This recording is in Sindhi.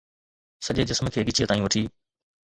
سڄي جسم کي ڳچيء تائين وٺي